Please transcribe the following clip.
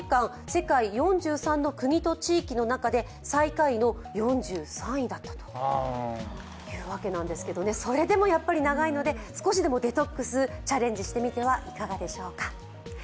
世界４３の国と地域の中で最下位の４３位だったというわけなんですけど、それでも長いので、少しでもデトックス、チャレンジしてみてはいかがでしょうか？